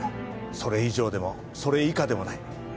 それ以上でもそれ以下でもない。